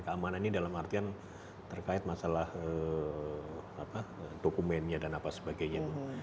keamanan ini dalam artian terkait masalah dokumennya dan apa sebagainya